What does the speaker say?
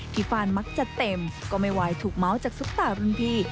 ฟานมักจะเต็มก็ไม่ไหวถูกเมาส์จากซุปตารุ่นพี่